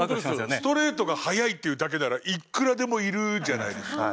ストレートが速いっていうだけならいくらでもいるじゃないですか。